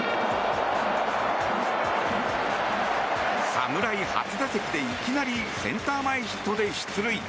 侍初打席でいきなりセンター前ヒットで出塁。